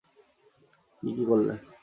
কি কি করলে?